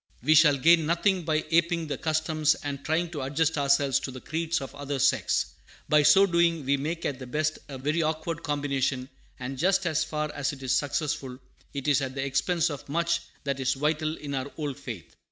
We shall gain nothing by aping the customs and trying to adjust ourselves to the creeds of other sects. By so doing we make at the best a very awkward combination, and just as far as it is successful, it is at the expense of much that is vital in our old faith.